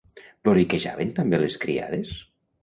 Ploriquejaven també les criades?